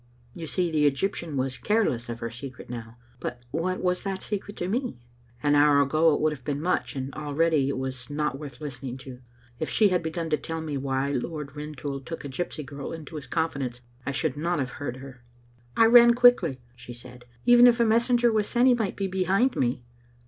You see the Egyptian was careless of her secret now ; but what was that secret to me? An hour ago it would have been much, and already it was not worth listening to. If she had begun to tell me why Lord Rintoul took a gypsy girl into his confidence I should not have heard her. " I ran quickly, " she said. " Even if a messenger was sent he might be behind me.